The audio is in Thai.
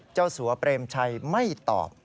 สัวเปรมชัยไม่ตอบ